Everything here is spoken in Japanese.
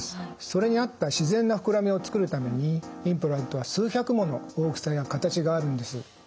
それに合った自然な膨らみを作るためにインプラントは数百もの大きさや形があるんです。